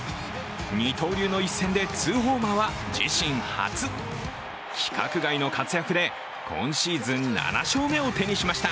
二刀流の一戦で２ホーマーは自身初規格外の活躍で今シーズン７勝目を手にしました。